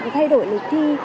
thay đổi lịch thi